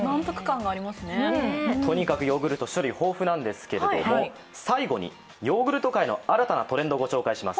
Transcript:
とにかく種類豊富なんですけれども最後にヨーグルト界の新たなトレンドをご紹介します。